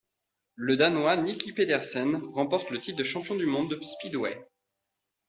Le Danois Nicki Pedersen remporte le titre de champion du monde de speedway.